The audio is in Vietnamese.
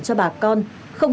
cho bà con